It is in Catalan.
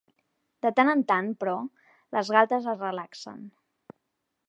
De tant en tant, però, les galtes es relaxen.